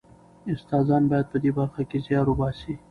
استادان باید په دې برخه کې زیار وباسي.